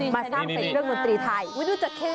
มาสร้างเป็นเครื่องดนตรีไทย